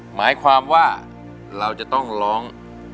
หมายความว่าเราจะต้องร้อง